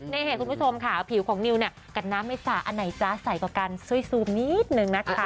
นี่เหตุคุณผู้ชมค่ะผิวของนิวเนี่ยกัดน้ำไม่สาอันไหนจ๊ะใส่กว่ากันซุ้ยซูมนิดนึงนะคะ